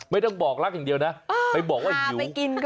ไม่ต้องบอกรักอย่างเดียวนะไปบอกว่าหิว